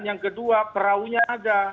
yang kedua peraunya ada